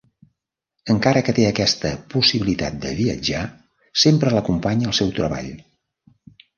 Encara que té aquesta possibilitat de viatjar, sempre l'acompanya el seu treball.